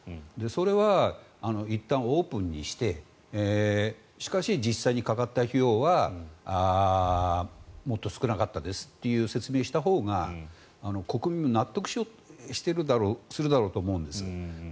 それはいったんオープンにしてしかし、実際にかかった費用はもっと少なかったですと説明したほうが国民も納得するだろうと思うんです。